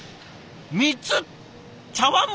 ３つ茶わん